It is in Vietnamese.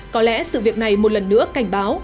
có lẽ sự việc này một lần nữa cảnh báo